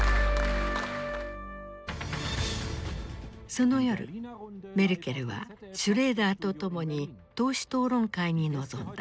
その夜メルケルはシュレーダーと共に党首討論会に臨んだ。